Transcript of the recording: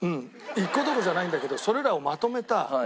１個どころじゃないんだけどそれらをまとめた。